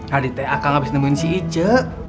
tadi teh akang abis nemuin si ije